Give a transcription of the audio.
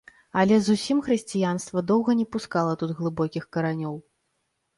Але зусім хрысціянства доўга не пускала тут глыбокіх каранёў.